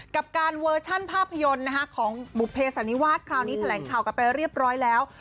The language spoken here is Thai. กับการเวอร์ชั่นภาพยนตร์ของบุภเสันนิวาสคราวนี้แถลงข่าวกันไปเรียบร้อยแล้ว